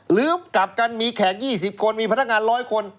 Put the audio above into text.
หรือกลับกันมีแขก๒๐คนมีพนักงาน๑๐๐คน